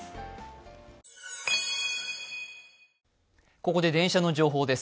ここで電車の情報です。